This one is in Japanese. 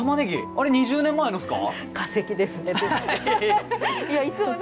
あれ２０年前のですか？